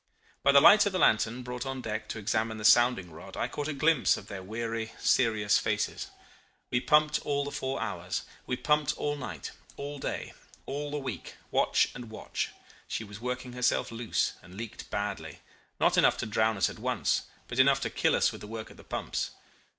By the light of the lantern brought on deck to examine the sounding rod I caught a glimpse of their weary, serious faces. We pumped all the four hours. We pumped all night, all day, all the week, watch and watch. She was working herself loose, and leaked badly not enough to drown us at once, but enough to kill us with the work at the pumps.